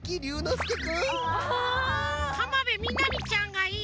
浜辺美波ちゃんがいい。